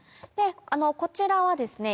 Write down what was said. こちらはですね